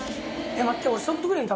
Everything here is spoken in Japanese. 待って俺。